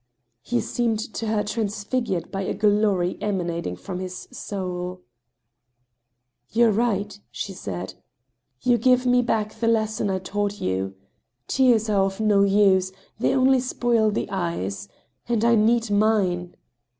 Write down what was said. He seemed to her transfigured by a glory emanating from his soul. *• You are right," she said, " you give me back the lesson I taught you. Tears are of no use — ^they only spoil the eyes ; and I need mine.